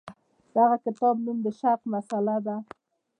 د هغه کتاب نوم د شرق مسأله ده.